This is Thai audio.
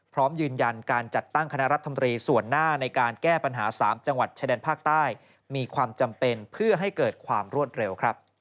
พร้อมยืนยันการจัดตั้งคณะรัฐมนตรีส่วนหน้าในการแก้ปัญหา๓จังหวัดชายแดนภาคใต้มีความจำเป็นเพื่อให้เกิดความรวดเร็ว